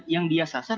yang dia sasar